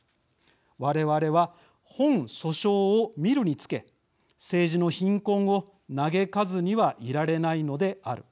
我々は本訴訟を見るにつけ政治の貧困を嘆かずにはいられないのである。